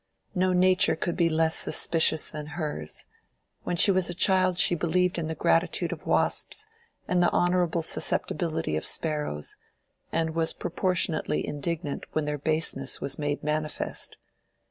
No nature could be less suspicious than hers: when she was a child she believed in the gratitude of wasps and the honorable susceptibility of sparrows, and was proportionately indignant when their baseness was made manifest.